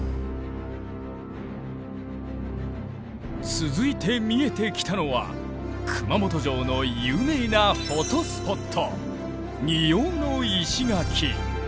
続いて見えてきたのは熊本城の有名なフォトスポット